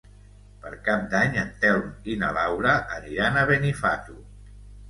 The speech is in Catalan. Per Cap d'Any en Telm i na Laura aniran a Benifato.